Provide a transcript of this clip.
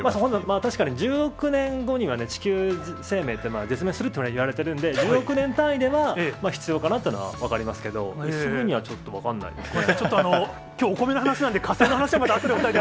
確かに１０億年後には地球生命って絶滅するっていわれてるんで、１０億年単位では必要かなというのは分かりますけど、すぐにはちょっと分かんないですね。